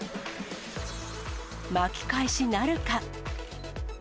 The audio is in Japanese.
巻き返しなるか。